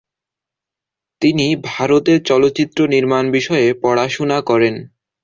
তিনি ভারতে চলচ্চিত্র নির্মাণ বিষয়ে পড়াশুনা করেন।